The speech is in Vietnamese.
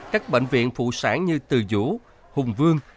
các bệnh viện phụ sản như từ dũ hùng vương